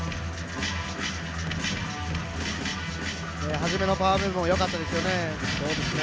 初めのパワームーブもよかったですよね。